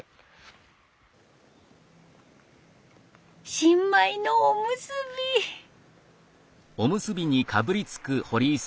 新米のおむすび！